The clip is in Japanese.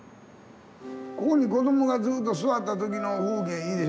ここに子どもがずっと座った時の風景いいでしょ。